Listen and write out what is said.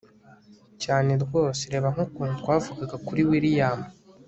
cyane rwose, reba nkukuntu twavugaga kuri william